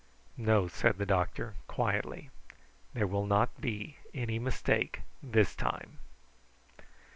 "No," said the doctor, quietly; "there will not be any mistake this time!"